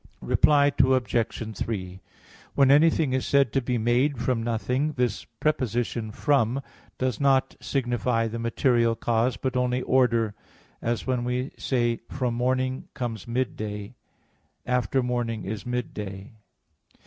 Reply Obj. 3: When anything is said to be made from nothing, this preposition "from" [ex] does not signify the material cause, but only order; as when we say, "from morning comes midday" i.e. after morning is midday.